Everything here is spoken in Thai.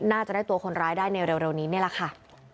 น่าจะได้ตัวคนร้ายได้ในเร็วนี้นี่แหละค่ะ